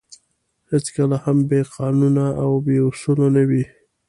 هېڅکله هم بې قانونه او بې اُصولو نه وې.